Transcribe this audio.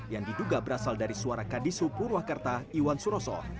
yang diduga berasal dari suara kadisu purwakarta iwan suroso